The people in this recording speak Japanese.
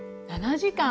７時間！